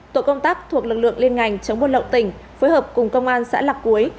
tổ công tác thuộc lực lượng liên ngành chống buôn lậu tỉnh phối hợp cùng công an xã lạc cuối